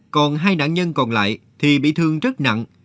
còn hai nạn nhân còn lại thì bị thương rất nặng